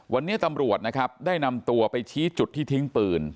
วันนี้ตำรวจนะครับได้นำตัวไปชี้จุดที่ทิ้งปืน